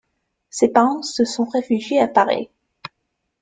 Ses parents se sont réfugiés à Paris.